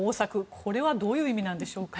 これはどういう意味なんでしょうか。